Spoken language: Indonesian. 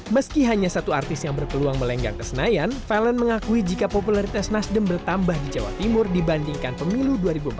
meski hanya satu artis yang berpeluang melenggang ke senayan valen mengakui jika popularitas nasdem bertambah di jawa timur dibandingkan pemilu dua ribu empat belas